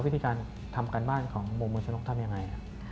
วิธีการทำการบ้านของโหมมัณชนกทำยังไง